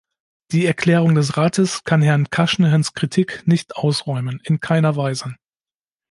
Die Erklärung des Rates kann Herrn Cushnahans Kritik nicht ausräumen, in keiner Weise.